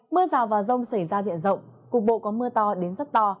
mưa rào và rông xảy ra diện rộng cục bộ có mưa to đến rất to